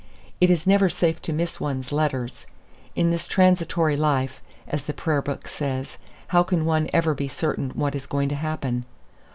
It is never safe to miss one's letters. In this transitory life, as the Prayer book says, how can one ever be certain what is going to happen?